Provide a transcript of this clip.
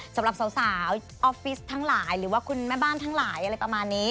สำหรับสาวออฟฟิศทั้งหลายหรือว่าคุณแม่บ้านทั้งหลายอะไรประมาณนี้